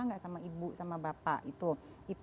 nggak sama ibu sama bapak itu itu